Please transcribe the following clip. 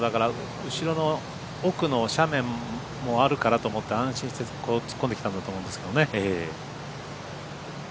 本人も後ろの奥の斜面もあるからと思って安心して突っ込んできたんだと思うんですけどね。